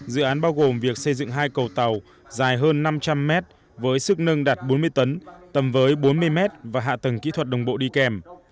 dự án bao gồm việc xây dựng hai cầu tàu dài hơn năm trăm linh mét với sức nâng đạt bốn mươi tấn tầm với bốn mươi mét và hạ tầng kỹ thuật đồng bộ đi kèm